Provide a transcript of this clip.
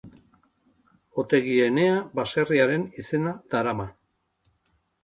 Otegi Enea baserriaren izena darama.